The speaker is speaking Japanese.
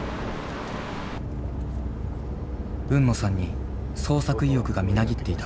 海野さんに創作意欲がみなぎっていた。